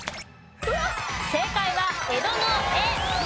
正解は江戸の「江」。